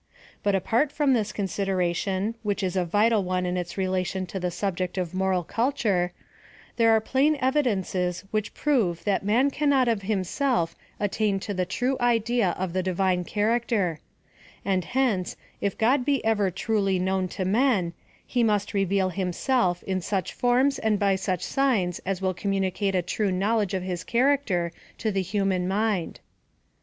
But apart from this consideration, which is a vital one in its relation to the subject of moral culture, there are plain evidences which prove that man cannot of himself attain to the true idea of the Divine character; and hence, if God be ever truly known to men, he must reveal himself in such forms and by such signs as will communicate a true knowledge of his character to the human mind.